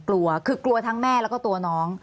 กลัวคือกลัวทั้งแม่แล้วก็ตัวน้อง